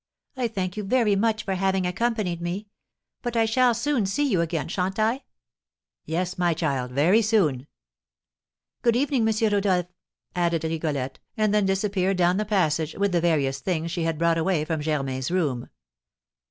I thank you very much for having accompanied me; but I shall soon see you again, sha'n't I?" "Yes, my child, very soon." "Good evening, M. Rodolph," added Rigolette, and then disappeared down the passage with the various things she had brought away from Germain's room.